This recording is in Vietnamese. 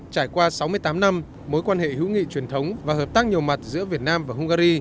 trải qua sáu mươi tám năm mối quan hệ hữu nghị truyền thống và hợp tác nhiều mặt giữa việt nam và hungary